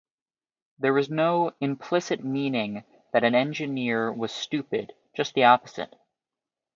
There was no implicit meaning that an engineer was stupid; just the opposite.